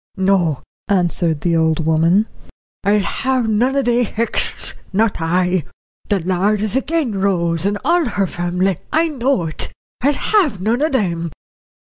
"No," answered the old woman, "I'll have none o' they Hexts, not I. The Lord is agin Rose and all her family, I know it. I'll have none of them."